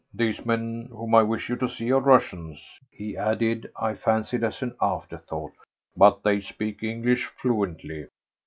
These men whom I wish you to see are Russians," he added, I fancied as an afterthought, "but they speak English fluently."